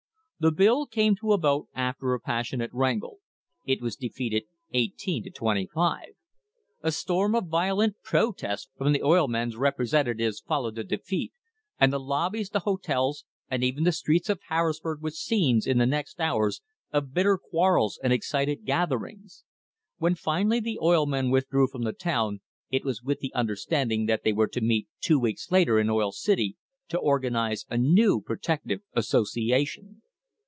The bill came to a vote after a passionate wrangle. It was defeated eighteen to twenty five. A storm of violent protest from the oil men's repre sentatives followed the defeat, and the lobbies, the hotels, and even the streets of Harrisburg were scenes in the next hours of bitter quarrels and excited gatherings. When finally the oil men withdrew from the town it was with the under standing that they were to meet two weeks later in Oil City to organise a new protective association.